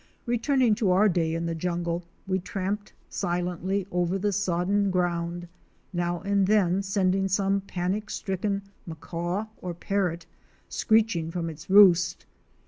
Returning to our day in the jungle; we tramped silently over the sodden ground, now and then sending some panic stricken Macaw or Parrot screeching from its roost.